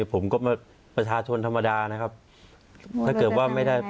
ผมก็ประชาชนธรรมดานะครับถ้าเกิดว่าไม่ได้